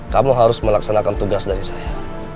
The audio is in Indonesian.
kamu harus melaksanakan tugas dari saya